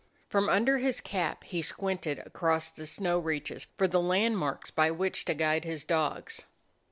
From under his cap he squinted across the snow reaches for the landmarks by which to guide his dogs.